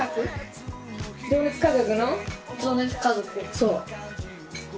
そう。